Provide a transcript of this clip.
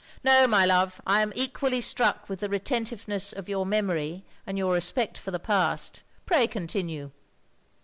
" No, my love, I am equally struck with the retentiveness of your memory, and your respect for the past. Pray continue."